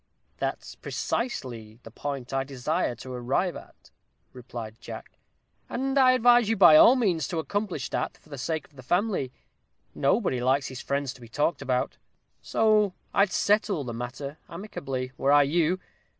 "That's precisely the point I desire to arrive at," replied Jack; "and I advise you by all means to accomplish that, for the sake of the family. Nobody likes his friends to be talked about. So I'd settle the matter amicably, were I you.